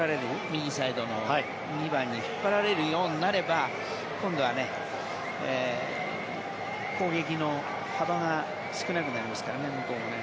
右サイドの１２番に引っ張られるようになれば今度は攻撃の幅が少なくなりますから向こうもね。